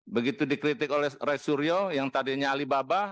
begitu dikritik oleh resuryo yang tadinya alibaba